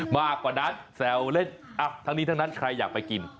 มากกว่านั้นแซวเล่นทั้งนี้ทั้งนั้นใครอยากไปกิน